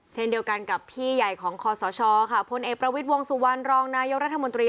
เช่นเดียวกันกับพี่ใหญ่ของคอสชค่ะพลเอกประวิทย์วงสุวรรณรองนายกรัฐมนตรี